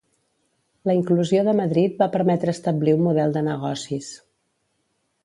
La inclusió de Madrid va permetre establir un model de negocis.